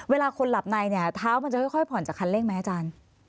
เวลาคนหลับในเนี่ยเท้ามันจะค่อยผ่อนจากคันเร่งไหมอาจารย์